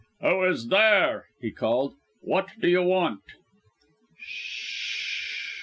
"Who is there?" he called. "What do you want?"